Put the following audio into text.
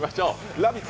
「ラヴィット！」